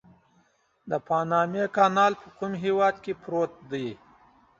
د پانامي کانال په کوم هېواد کې پروت دی؟